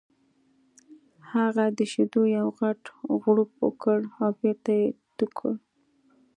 هغه د شیدو یو غټ غوړپ وکړ او بېرته یې تو کړ